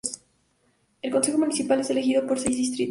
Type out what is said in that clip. El consejo municipal es elegido según seis distritos.